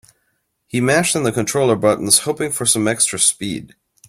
He mashed in the controller buttons, hoping for some extra speed.